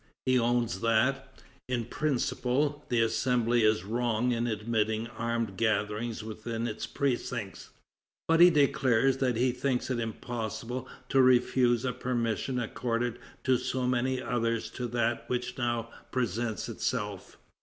He owns that, in principle, the Assembly is wrong in admitting armed gatherings within its precincts, but he declares that he thinks it impossible to refuse a permission accorded to so many others to that which now presents itself.